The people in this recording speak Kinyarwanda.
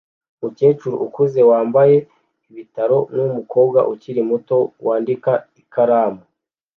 Umukecuru ukuze wambaye ibitaro numukobwa ukiri muto wandika ikaramu